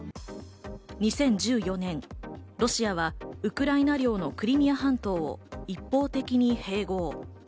２０１４年、ロシアはウクライナ領のクリミア半島を一方的に併合。